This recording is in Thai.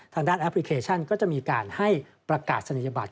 ทางด้านแอปพลิเคชันก็จะมีการให้ประกาศธรรยาบาท